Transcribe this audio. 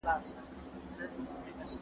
ولي کندهار کي د صنعت لپاره د ټیم کار مهم دی؟